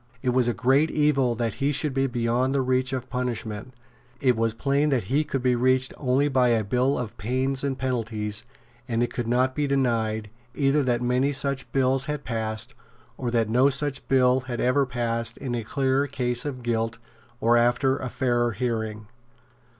It was a great evil that he should be beyond the reach of punishment; it was plain that he could be reached only by a bill of pains and penalties; and it could not be denied, either that many such bills had passed, or that no such bill had ever passed in a clearer case of guilt or after a fairer hearing.